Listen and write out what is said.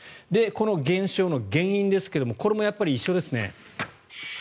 この現象の原因ですがこれもやっぱり一緒ですね。